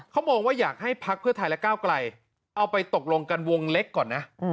เขามองว่าอยากให้พักเพื่อไทยและก้าวไกลเอาไปตกลงกันวงเล็กก่อนนะ